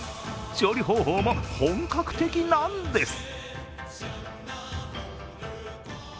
調理方法も本格的なんです。